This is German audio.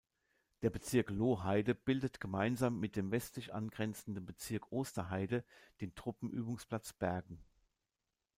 Der Bezirk Lohheide bildet gemeinsam mit dem westlich angrenzenden Bezirk Osterheide den Truppenübungsplatz Bergen.